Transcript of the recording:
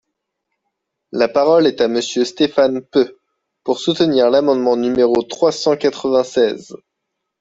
La parole est à Monsieur Stéphane Peu, pour soutenir l’amendement numéro trois cent quatre-vingt-seize.